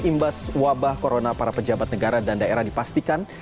imbas wabah corona para pejabat negara dan daerah dipastikan